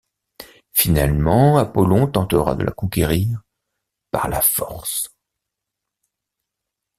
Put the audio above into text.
Finalement, Apollon tentera de la conquérir par la force.